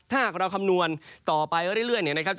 ถ้าเราคำนวณต่อไปเรื่อยนะครับ